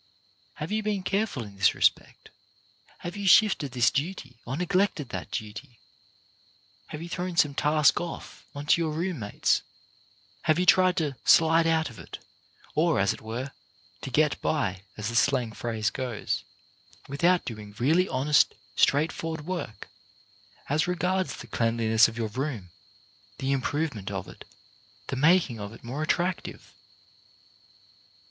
Have you been careful in this respect? Have you shifted this duty, or neglected that duty ? Have you thrown some task off on to your room mates ? Have you tried to "slide out" of it, or, as it were, "to get by," as the slang phrase goes, without doing really honest, straightforward work, as regards the cleanliness of your room, the improvement of it, the making of it more attractive